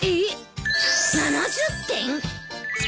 ７０点！？